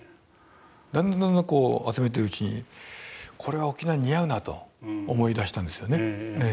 だんだんだんだんこう集めてるうちにこれは沖縄に似合うなと思いだしたんですよね。